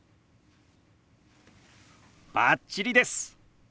バッチリです！